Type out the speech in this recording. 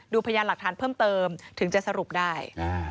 พยานหลักฐานเพิ่มเติมถึงจะสรุปได้